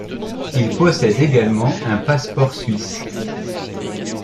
Il possède également un passeport suisse.